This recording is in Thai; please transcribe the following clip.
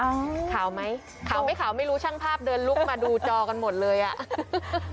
ข่าวไหมข่าวไม่ขาวไม่รู้ช่างภาพเดินลุกมาดูจอกันหมดเลยอ่ะ